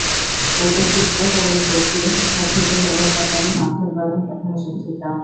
এতে ক্ষিপ্ত হয়ে বেত দিয়ে শিক্ষার্থীদের এলোপাতাড়ি মারধর করেন প্রধান শিক্ষিকা।